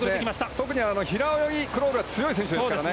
特に平泳ぎ、クロールが強い選手ですからね。